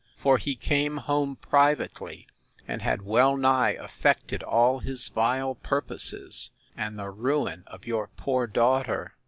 for he came home privately, and had well nigh effected all his vile purposes, and the ruin of your poor daughter!